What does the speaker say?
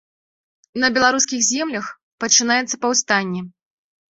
На беларускіх землях пачынаецца паўстанне.